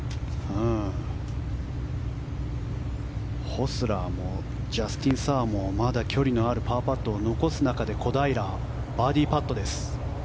ホスラーもジャスティン・サーもまだ距離のあるパーパットを残す中で小平、バーディーパットです。